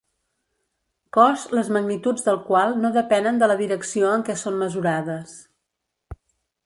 Cos les magnituds del qual no depenen de la direcció en què són mesurades.